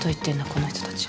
この人たち。